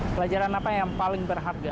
pelajaran apa yang paling berharga